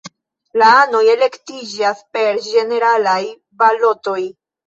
La anoj elektiĝas per ĝeneralaj balotoj.